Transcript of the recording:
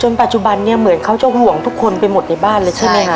ปัจจุบันนี้เหมือนเขาจะห่วงทุกคนไปหมดในบ้านเลยใช่ไหมคะ